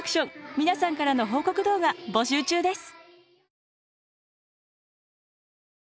皆さんからの報告動画募集中です！